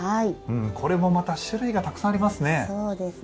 これもまた種類がたくさんありますね。